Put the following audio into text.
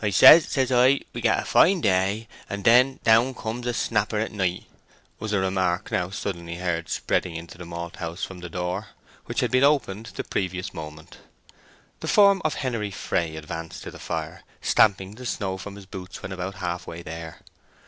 "I say, says I, we get a fine day, and then down comes a snapper at night," was a remark now suddenly heard spreading into the malthouse from the door, which had been opened the previous moment. The form of Henery Fray advanced to the fire, stamping the snow from his boots when about half way there.